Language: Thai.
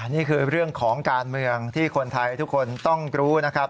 นี่คือเรื่องของการเมืองที่คนไทยทุกคนต้องรู้นะครับ